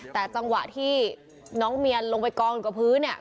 แต่จังหวะที่น้องเมียนลงไปกองอยู่กับพื้นเนี่ย